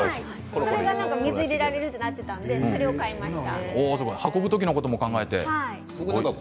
それが水を入れられるとか書いてあったのでそれを買いました。